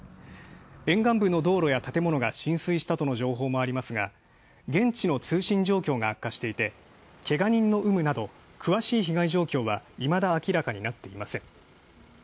沿岸部の道路や建物が浸水したとの情報もありますが、現地の通信状況が悪化していてけが人の有無など詳しい被害状況はいまだ明らかになっていません。